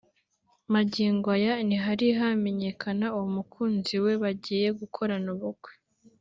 Magingo aya ntihari hamenyekana uwo mukunzi we bagiye gukorana ubukwe